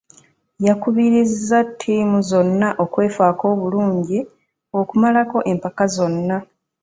yakubirizza ttiimu zonna okwefaako obulungi okumalako empaka zonna.